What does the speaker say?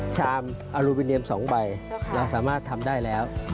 ชามอลูบิเนียม๒ใบเราสามารถทำได้แล้ว